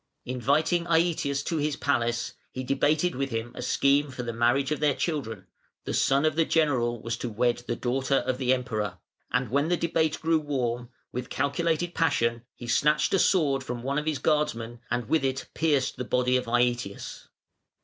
Inviting Aëtius to his palace, he debated with him a scheme for the marriage of their children (the son of the general was to wed the daughter of the Emperor), and when the debate grew warm, with calculated passion he snatched a sword from one of his guardsmen, and with it pierced the body of Aëtius.